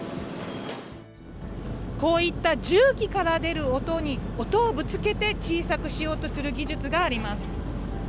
こういった重機から出る音に、音をぶつけて小さくしようとする技術があります。